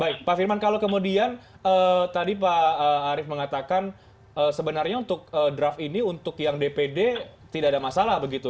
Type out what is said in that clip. baik pak firman kalau kemudian tadi pak arief mengatakan sebenarnya untuk draft ini untuk yang dpd tidak ada masalah begitu